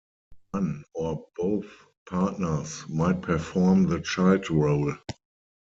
One or both partners might perform the child role.